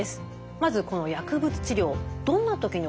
まずこの薬物治療どんな時に行うんでしょうか？